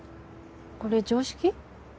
これ常識？